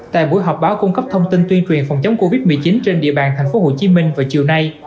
tại buổi họp báo cung cấp thông tin tuyên truyền phòng chống covid một mươi chín trên địa bàn thành phố hồ chí minh vào chiều nay